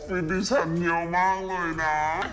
ออฟฟิตดิฉันเยอะมากเลยนะ